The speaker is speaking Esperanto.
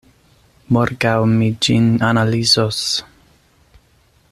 Morgaŭ mi ĝin analizos.